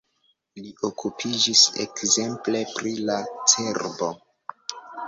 Li okupiĝis ekzemple pri la cerbo.